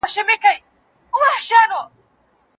روباټونه به نور هم پرمختګ وکړي.